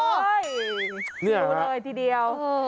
โหนี่นะครับรู้เลยทีเดียว